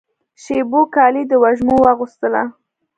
شېبو کالي د وږمو واغوستله